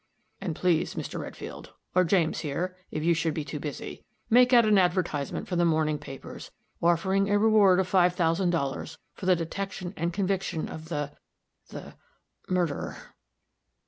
"And please, Mr. Redfield or James here, if you should be too busy make out an advertisement for the morning papers, offering a reward of five thousand dollars for the detection and conviction of the the murderer."